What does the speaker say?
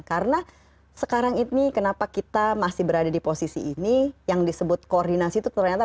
karena sekarang ini kenapa kita masih berada di posisi ini yang disebut koordinasi itu terlalu banyak